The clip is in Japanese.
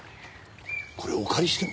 これお借りしても？